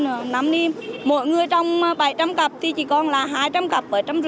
năm nay mỗi người trong bảy trăm linh cặp thì chỉ còn là hai trăm linh ngàn